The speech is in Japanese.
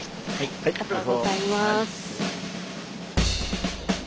ありがとうございます。